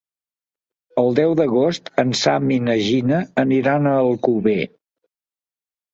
El deu d'agost en Sam i na Gina aniran a Alcover.